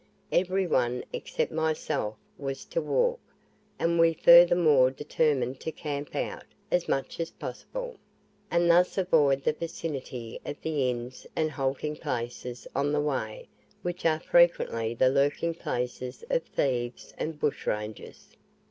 Every one, except myself, was to walk, and we furthermore determined to "camp out" as much as possible, and thus avoid the vicinity of the inns and halting places on the way, which are frequently the lurking places of thieves and bushrangers.